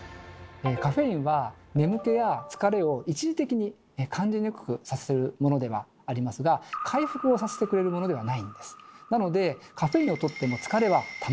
カフェインは眠気や疲れを一時的に感じにくくさせるものではありますが回復させてくれるものではないんです。